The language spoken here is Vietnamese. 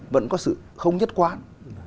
vẫn có sự không nhất quán